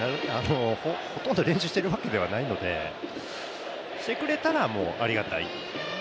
練習しているわけではないので、してくれたらありがたい。